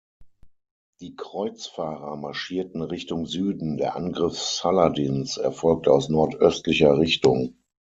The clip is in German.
Die Kreuzfahrer marschierten Richtung Süden, der Angriff Saladins erfolgte aus nordöstlicher Richtung.